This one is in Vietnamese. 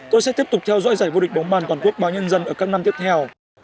tôi sẽ tiếp tục theo dõi giải vô địch bóng bàn toàn quốc báo nhân dân ở các năm tiếp theo